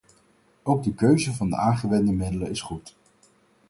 Ook de keuze van de aangewende middelen is goed.